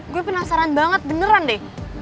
gue penasaran banget beneran deh